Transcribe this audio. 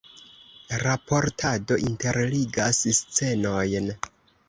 Raportado interligas scenojn.